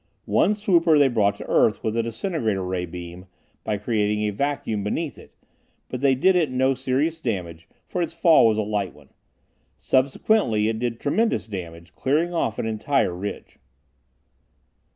One swooper they brought to earth with a disintegrator ray beam, by creating a vacuum beneath it, but they did it no serious damage, for its fall was a light one. Subsequently it did tremendous damage, cleaning off an entire ridge.